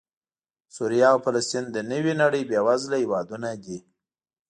سوریه او فلسطین د نوې نړۍ بېوزله هېوادونه دي